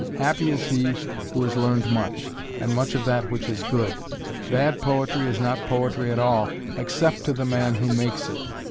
Happy is he who has learned much, and much of that which is good. Bad poetry is not poetry at all except to the man who makes it.